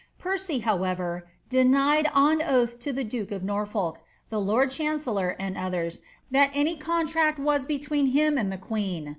Percy, however, denied on oath to the duke of Norfolk, the lord chancellor and others, that any contract was between him and the > Wilkia'i Concilia i NichoU* Lambeth.